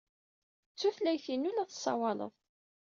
D tutlayt-inu ay la tessawaled.